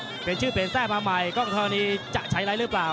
เปลี่ยนชื่อเปลี่ยนแทร่มาใหม่กล้องธรณีจะใช้ไลค์หรือเปล่า